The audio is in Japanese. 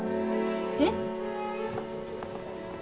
えっ？